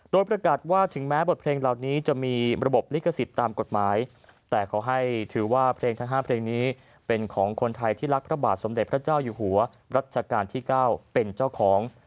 โดยประกาศว่าถึงแม้บทเพลงเหล่านี้จะมีระบบลิขสิทธิ์ตามกฎหมายแต่ขอให้ถือว่าเพลงทั้ง๕เพลงนี้เป็นของคนไทยที่รักพระบาทสมเด็จพระเจ้าอยู่หัวรัชกาลที่๙เป็นเจ้าของ